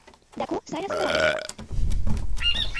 দেখ, Cyrus Miller!